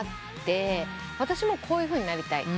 私もこういうふうになりたい。